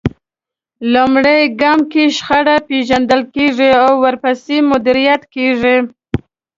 لومړی ګام کې شخړه پېژندل کېږي او ورپسې مديريت کېږي.